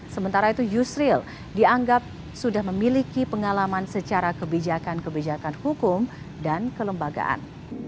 sementara itu yusril dianggap sudah memiliki pengalaman secara kebijakan kebijakan hukum dan kelembagaan